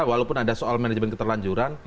walaupun ada soal manajemen keterlanjuran